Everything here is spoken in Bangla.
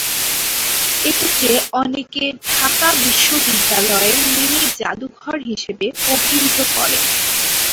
এটিকে অনেকে ঢাকা বিশ্ববিদ্যালয়ের 'মিনি জাদুঘর' হিসেবে অভিহিত করে।